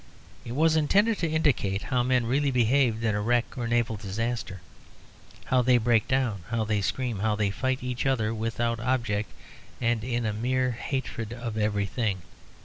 It was intended to indicate how men really behaved in a wreck or naval disaster, how they break down, how they scream, how they fight each other without object and in a mere hatred of everything.